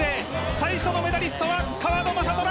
最初のメダリストは川野将虎！